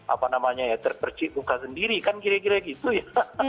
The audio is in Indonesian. apa namanya ya terpercip buka sendiri kan kira kira gitu ya